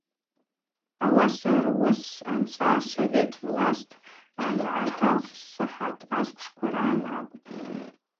Ауаса руыс анца Совет власт ангӏаталсахӏат асквшква рагӏан акӏвпӏ.